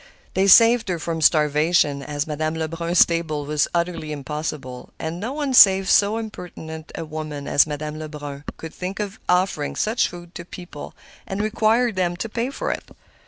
They saved her from starvation, as Madame Lebrun's table was utterly impossible; and no one save so impertinent a woman as Madame Lebrun could think of offering such food to people and requiring them to pay for it.